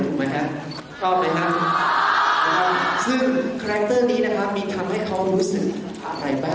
ค่ะเขาแค่ไหนค่ะคุณผู้จัดการนี่น่ะมีทำให้เขารู้สึกอะไรฟะ